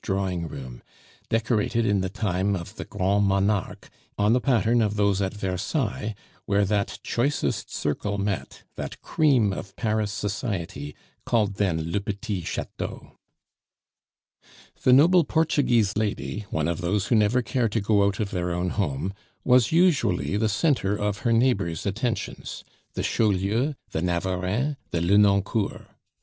drawing room, decorated in the time of the grand monarque on the pattern of those at Versailles, where that choicest circle met, that cream of Paris society, called then le petit chateau. The noble Portuguese lady, one of those who never care to go out of their own home, was usually the centre of her neighbors' attentions the Chaulieus, the Navarreins, the Lenoncourts.